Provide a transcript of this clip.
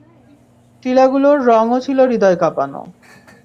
টিলাগুলোর রঙও ছিল হৃদয় কাঁপানো।